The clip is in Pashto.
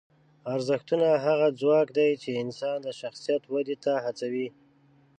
ارزښتونه هغه ځواک دی چې انسان د شخصیت ودې ته هڅوي.